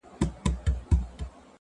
وخت له هیچا سره نه دریږي،